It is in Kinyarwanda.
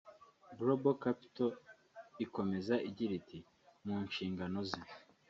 Global Capital ikomeza igira iti “Mu nshingano ze